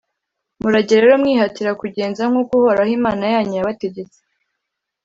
murajye rero mwihatira kugenza nk’uko uhoraho imana yanyu yabategetse,